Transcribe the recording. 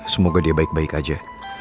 semoga dia baik baik aja